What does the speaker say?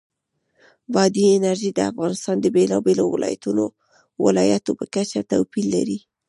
بادي انرژي د افغانستان د بېلابېلو ولایاتو په کچه توپیر لري.